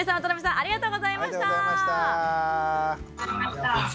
ありがとうございます。